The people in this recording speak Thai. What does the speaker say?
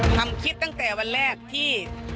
คิดตั้งแต่วันแรกที่